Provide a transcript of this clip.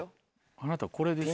あなたこれですよ。